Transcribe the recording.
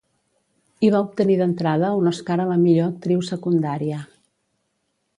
Hi va obtenir d'entrada un Oscar a la millor actriu secundària.